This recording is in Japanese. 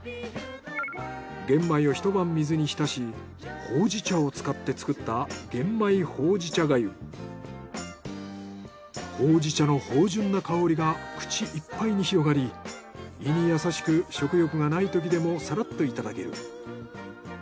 玄米を一晩水に浸しほうじ茶を使って作ったほうじ茶の芳醇な香りが口いっぱいに広がり胃にやさしく食欲がないときでもさらっといただける。